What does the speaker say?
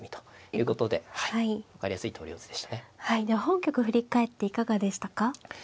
では本局を振り返っていかがでしたか。